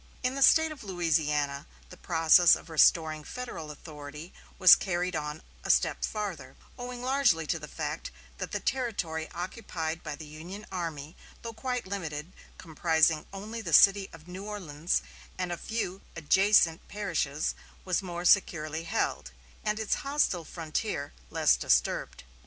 In the State of Louisiana the process of restoring Federal authority was carried on a step farther, owing largely to the fact that the territory occupied by the Union army, though quite limited, comprising only the city of New Orleans and a few adjacent parishes, was more securely held, and its hostile frontier less disturbed.